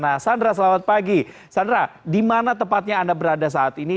nah sandra selamat pagi sandra di mana tepatnya anda berada saat ini